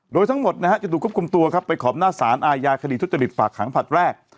โดยทั้งหมดนะฮะจะถูกควบคุมตัวครับไปขอบหน้าสารอาญาคดีทุจริตฝากขังผลัดแรก